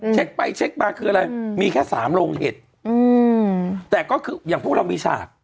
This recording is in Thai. เช็คไปเช็คมาคืออะไรมีแค่สามโรงเห็ดอืมแต่ก็คืออย่างพวกเรามีฉาก